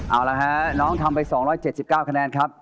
เอาละฮะน้องทำไป๒๗๙คะแนนครับ